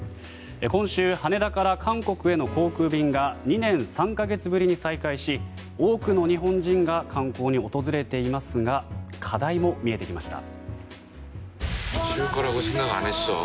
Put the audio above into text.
今週、羽田から韓国への航空便が２年３か月ぶりに再開し多くの日本人が観光に訪れていますが課題も見えてきました。